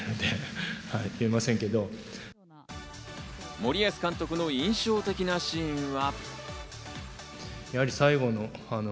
森保監督の印象的なシーンは。